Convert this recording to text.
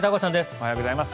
おはようございます。